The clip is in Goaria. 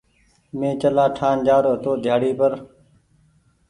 مين چلآ ٺآن جآرو هيتو ڍيآڙي پر۔